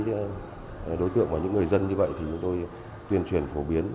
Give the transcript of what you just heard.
về đối tượng của những người dân như vậy thì chúng tôi tuyên truyền phổ biến